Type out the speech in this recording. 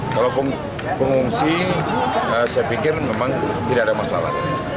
kalau pengungsi saya pikir memang tidak ada masalah